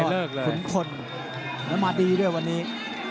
ต่างรุ่นพี่ยอดขุนคลแล้วมาดีด้วยวันนี้